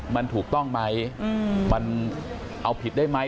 มันถูกต้องไหมมันเอาผิดได้ไหม